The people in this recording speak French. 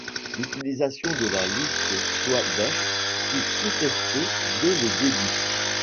L’utilisation de la liste Swadesh fut contestée dès le début.